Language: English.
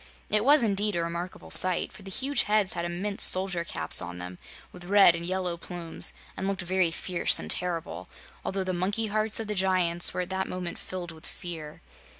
It was, indeed, a remarkable sight, for the huge heads had immense soldier caps on them, with red and yellow plumes and looked very fierce and terrible, although the monkey hearts of the giants were at that moment filled with fear.